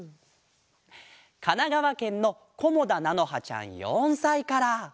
かながわけんのこもだなのはちゃん４さいから。